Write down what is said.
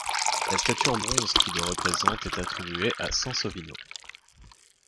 La statue en bronze qui le représente est attribuée à Sansovino.